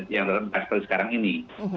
yang terlihat seperti sekarang ini